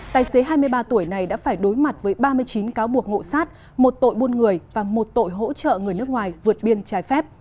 tài xế hai mươi ba tuổi này đã phải đối mặt với ba mươi chín cáo buộc ngộ sát một tội buôn người và một tội hỗ trợ người nước ngoài vượt biên trái phép